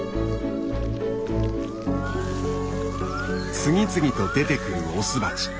次々と出てくるオスバチ。